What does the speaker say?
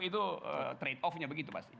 itu trade off nya begitu pasti